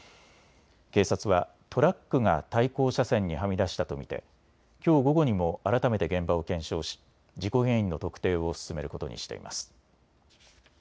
警察はトラックが対向車線にはみ出したと見てきょう午後にも改めて現場を検証し事故原因の特定を進めることにしています。